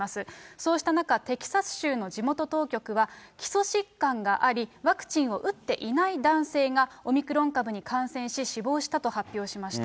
そうした中、テキサス州の地元当局は、基礎疾患があり、ワクチンを打っていない男性が、オミクロン株に感染し、死亡したと発表しました。